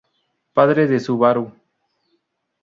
Padre de Subaru.